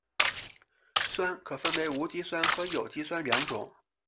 酸可分为无机酸和有机酸两种。